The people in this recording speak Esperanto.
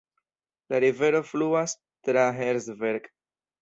La rivero fluas tra Herzberg.